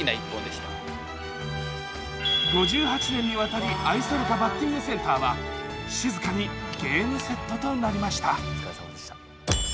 ５８年にわたり愛されたバッティングセンターは静かにゲームセットとなりました。